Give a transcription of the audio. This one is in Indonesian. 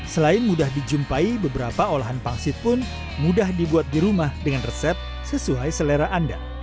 selain mudah dijumpai beberapa olahan pangsit pun mudah dibuat di rumah dengan resep sesuai selera anda